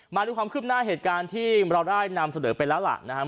มาดูความคืบหน้าเหตุการณ์ที่เราได้นำเสนอไปแล้วล่ะนะครับ